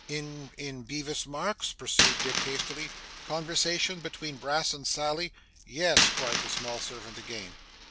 'In in Bevis Marks?' pursued Dick hastily. 'Conversations between Brass and Sally?' 'Yes,' cried the small servant again.